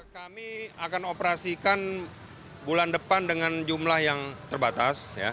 kami akan operasikan bulan depan dengan jumlah yang terbatas